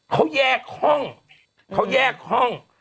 เขายากห้อง